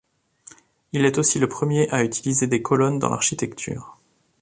Il est aussi le premier à utiliser des colonnes dans l'architecture.